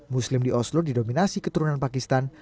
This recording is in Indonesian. muslim di oslo didominasi keturunan pakistan